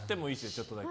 ちょっとだけ。